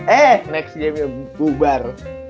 eh next gamenya bubar